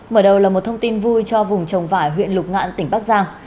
mở đầu là một thông tin vui cho vùng trồng vải huyện lục ngạn tỉnh bắc giang